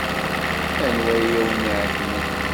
Anwa ay awen-iɛeyynen?